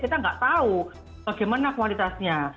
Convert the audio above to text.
kita nggak tahu bagaimana kualitasnya